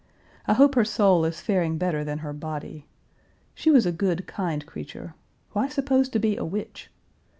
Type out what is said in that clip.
I hope her soul is faring better than her body. She was a good, kind creature. Why supposed to be a witch?